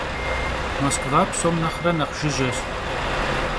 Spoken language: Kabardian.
Moskva psom nexhre nexh jjıjeş.